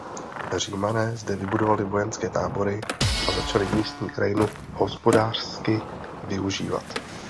Římané zde vybudovali vojenské tábory a začali místní krajinu hospodářsky využívat.